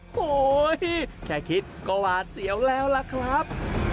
โห้เหี้ยแค่คิดก็ว่าเสียวแล้วละครับ